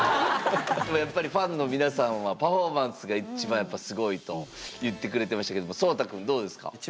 やっぱりファンの皆さんはパフォーマンスが一番すごいと言ってくれてましたけどもＳＯＴＡくんどうですか？